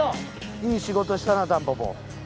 いい仕事したなタンポポ。